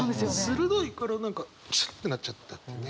鋭いから何かシュッてなっちゃったっていうね。